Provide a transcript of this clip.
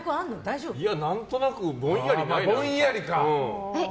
何となく、ぼんやりね。